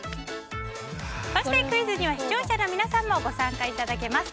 そしてクイズには視聴者の皆さんもご参加いただけます。